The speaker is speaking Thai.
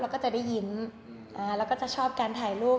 เราก็จะได้ยินเราก็จะชอบการถ่ายรูป